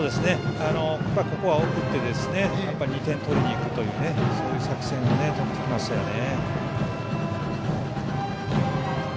やっぱりここは送って２点取りにいくという作戦をとってきましたよね。